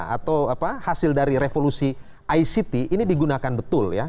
atau hasil dari revolusi ict ini digunakan betul ya